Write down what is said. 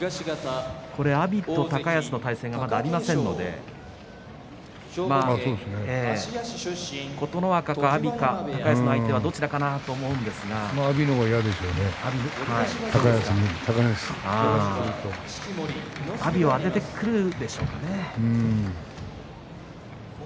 これ阿炎と高安の対戦がありませんので琴ノ若か阿炎かどちらかかと思うんですが阿炎をあててくるでしょうかね。